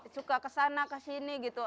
suka kesana kesini gitu